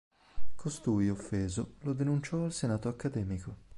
Costui, offeso, lo denunciò al senato accademico.